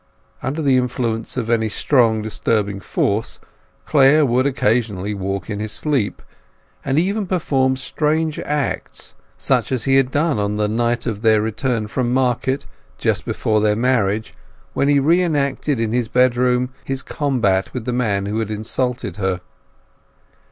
Under the influence of any strongly disturbing force, Clare would occasionally walk in his sleep, and even perform strange feats, such as he had done on the night of their return from market just before their marriage, when he re enacted in his bedroom his combat with the man who had insulted her.